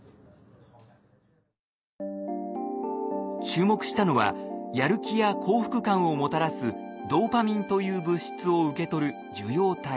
注目したのはやる気や幸福感をもたらすドーパミンという物質を受け取る受容体。